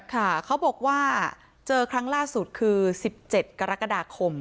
ค่ะเขาบอกว่าเจอครั้งล่าสุดคือ๑๗กรกฎาคม